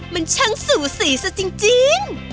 มันช่างสูสีซะจริง